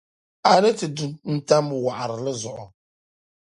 A ni ti du n-tam wɔɣiri zuɣu.